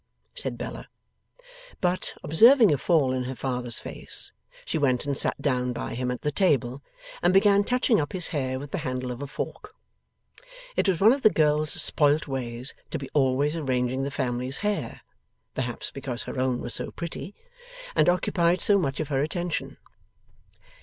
said Bella. But, observing a fall in her father's face, she went and sat down by him at the table, and began touching up his hair with the handle of a fork. It was one of the girl's spoilt ways to be always arranging the family's hair perhaps because her own was so pretty, and occupied so much of her attention.